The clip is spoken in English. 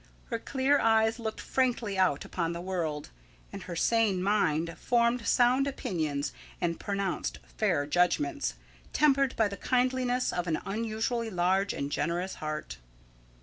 Her clear eyes looked frankly out upon the world, and her sane mind formed sound opinions and pronounced fair judgments, tempered by the kindliness of an unusually large and generous heart.